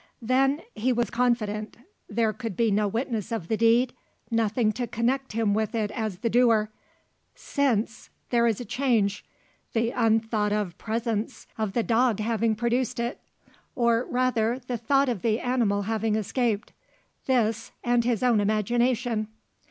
Then he was confident, there could be no witness of the deed nothing to connect him with it as the doer. Since, there is a change the unthought of presence of the dog having produced it. Or, rather, the thought of the animal having escaped. This, and his own imagination.